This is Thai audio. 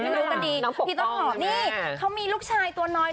พี่ให้รู้กันดีน้องปกโป้งนี่พี่ต้นหอมนี่เขามีลูกชายตัวน้อย